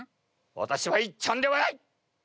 私はいっちゃんではない！